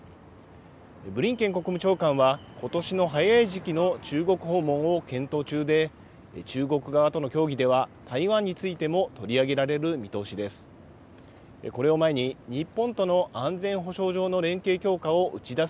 ブリンケン国務長官は、ことしの早い時期の中国訪問を検討中で、中国側との協議では、台湾についても取り上げられる見通しです。